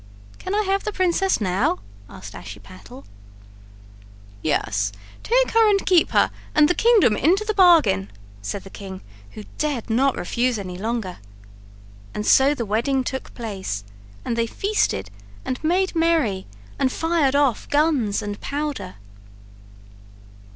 "Can I have the princess now?" asked Ashiepattle "Yes, take her and keep her and the kingdom into the bargain," said the king, who dared not refuse any longer. And so the wedding took place and they feasted and made merry and fired off guns and powder.